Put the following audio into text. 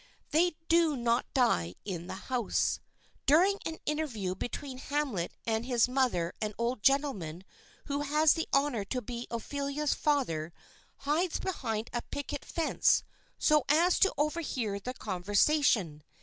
They do not die in the house. During an interview between Hamlet and his mother an old gentleman who has the honor to be Ophelia's father hides behind a picket fence, so as to overhear the conversation.